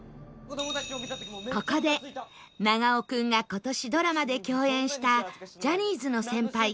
ここで長尾君が今年ドラマで共演したジャニーズの先輩